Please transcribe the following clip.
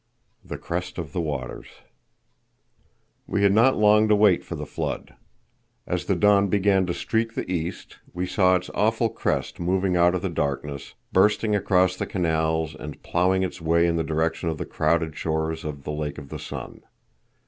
The Crest of the Waters. We had not long to wait for the flood. As the dawn began to streak the east we saw its awful crest moving out of the darkness, bursting across the canals and plowing its way in the direction of the crowded shores of the Lake of the Sun.